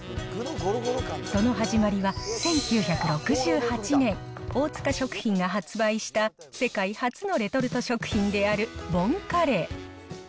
その始まりは１９６８年、大塚食品が発売した世界初のレトルト食品であるボンカレー。